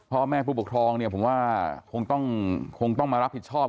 พ่อแม่ผู้ปกครองเนี่ยผมว่าคงต้องมารับผิดชอบ